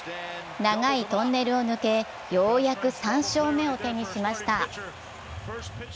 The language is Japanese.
長いトンネルを抜け、ようやく３勝目を手にしました。